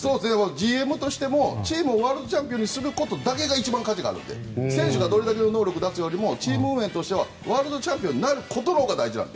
ＧＭとしてもチームをワールドチャンピオンにすることが一番価値があるので選手がどれだけの能力を出すよりチーム運営としてはワールドチャンピオンになることのほうが大事なので。